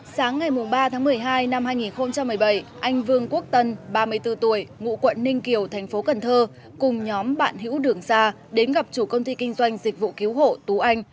sáng ngày ba tháng một mươi hai năm hai nghìn một mươi bảy anh vương quốc tân ba mươi bốn tuổi ngụ quận ninh kiều thành phố cần thơ cùng nhóm bạn hữu đường xa đến gặp chủ công ty kinh doanh dịch vụ cứu hộ tú anh